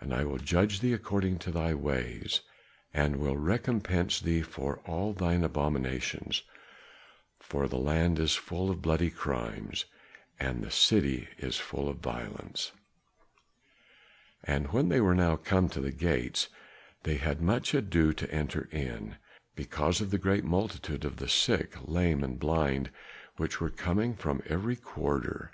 And I will judge thee according to thy ways, and will recompense thee for all thine abominations, for the land is full of bloody crimes, and the city is full of violence." And when they were now come to the gates, they had much ado to enter in, because of the great multitude of the sick, lame and blind which were coming from every quarter.